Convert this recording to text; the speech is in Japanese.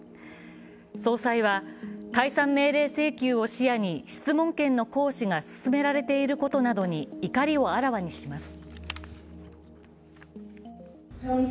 総裁は解散命令請求を視野に質問権の行使が進められていることなどに怒りをあらわにします。